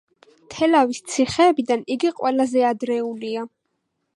თელავის ციხეებიდან იგი ყველაზე ადრეულია.